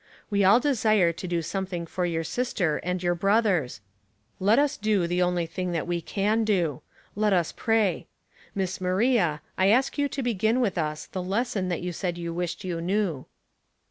We all desire to do something for your sister and your brothers. Let us do the only thing that we can do. Let us pray. Miss Maria, I ask you to begin with us the lesson that you said you wished you knew."